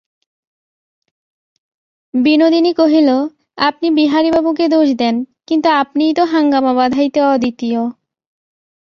বিনোদিনী কহিল, আপনি বিহারীবাবুকে দোষ দেন, কিন্তু আপনিই তো হাঙ্গাম বাধাইতে অদ্বিতীয়।